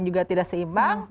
juga tidak seimbang